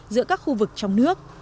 giữa các khu vực trong nước